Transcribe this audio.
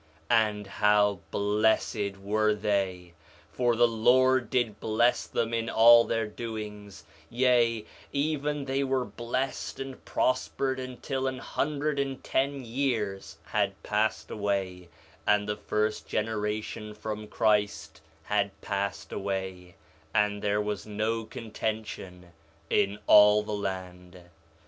4 Nephi 1:18 And how blessed were they! For the Lord did bless them in all their doings; yea, even they were blessed and prospered until an hundred and ten years had passed away; and the first generation from Christ had passed away, and there was no contention in all the land.